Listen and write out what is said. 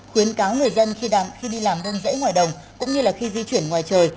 khuyến cáo người dân khi đi làm đông dãy ngoài đồng cũng như khi di chuyển ngoài trời